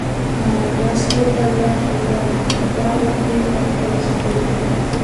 مستو به لا دا ور غبرګه کړه په خپلو خبرو کې.